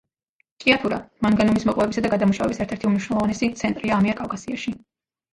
ჭიათურა მანგანუმის მოპოვებისა და გადამუშავების ერთ-ერთი უმნიშვნელოვანესი ცენტრია ამიერკავკასიაში.